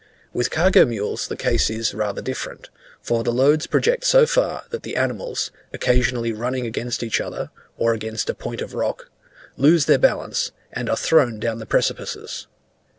With cargo mules the case is rather different, for the loads project so far, that the animals, occasionally running against each other, or against a point of rock, lose their balance, and are thrown down the precipices.